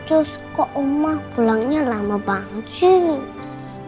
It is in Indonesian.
cus kok mama pulangnya lama banget sih